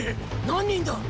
何人だっ！